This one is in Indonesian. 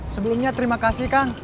sebelumnya terima kasih kang